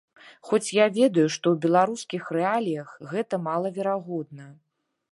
Хоць я ведаю, што ў беларускіх рэаліях гэта малаверагодна.